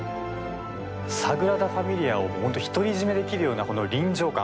サグラダ・ファミリアを独り占めできるような臨場感。